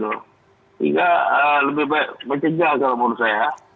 sehingga lebih baik mencegah kalau menurut saya